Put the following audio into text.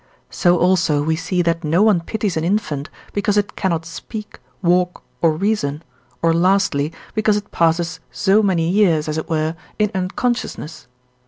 So also we see that no one pities an infant, because it cannot speak, walk, or reason, or lastly, because it passes so many years, as it were, in unconsciousness.